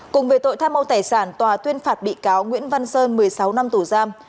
cùng về tội tham mâu tài sản tòa tuyên phạt bị cáo nguyễn văn sơn một mươi sáu năm tù giam